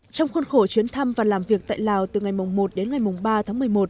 trong khuôn khổ chuyến thăm và làm việc tại lào từ ngày một đến ngày ba tháng một mươi một